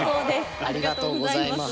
ありがとうございます。